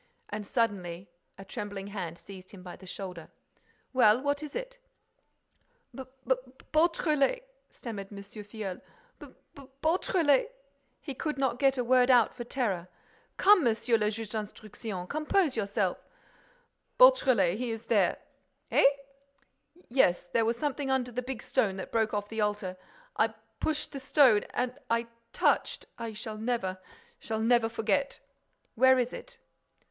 And, suddenly, a trembling hand seized him by the shoulder. "Well, what is it?" "B beautrelet," stammered M. Filleul. "B beau trelet—" He could not get a word out for terror. "Come, Monsieur le Juge d'Instruction, compose yourself!" "Beautrelet—he is there—" "Eh?" "Yes—there was something under the big stone that broke off the altar—I pushed the stone—and I touched—I shall never—shall never forget.—" "Where is it?"